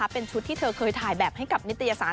เป็นชุดที่เธอเคยถ่ายแบบให้กับนิตยสาร